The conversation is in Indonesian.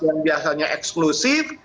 yang biasanya eksklusif